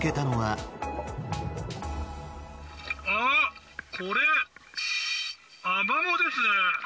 あっ、これ、アマモですね。